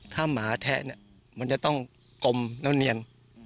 ถ้าหมาแทะมันจะต้องกมแล้วเนียน